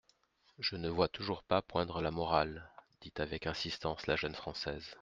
Je ne vois toujours pas poindre la morale, dit avec insistance la jeune Française.